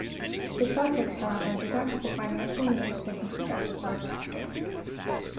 The Celtics, however, did not have the financial means to compete as a broadcaster.